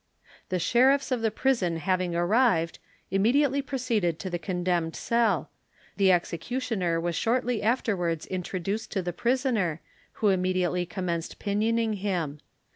The sheriffs of the prison having arrived, immediately proceeded to the condemned cell. The executioner was shortly afterwards introduced to the prisoner, who immediately commenced pinioning him.